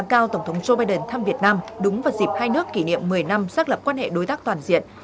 giá cao tổng thống joe biden thăm việt nam đúng vào dịp hai nước kỷ niệm một mươi năm xác lập quan hệ đối tác toàn diện